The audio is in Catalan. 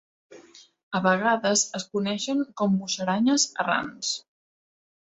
A vegades es coneixen com musaranyes errants.